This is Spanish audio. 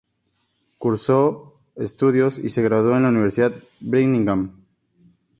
Cursó estudios y se graduó en la Universidad de Birmingham.